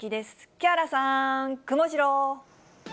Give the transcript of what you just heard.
木原さん、くもジロー。